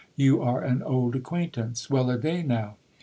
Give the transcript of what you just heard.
You are an old acquaintance. Well a day now